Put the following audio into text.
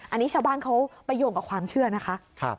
อันนี้ชาวบ้านเขาไปโยงกับความเชื่อนะคะ